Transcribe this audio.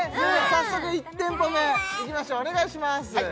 早速１店舗目いきましょうお願いします